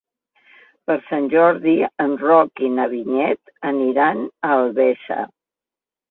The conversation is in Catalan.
Per Sant Jordi en Roc i na Vinyet aniran a Albesa.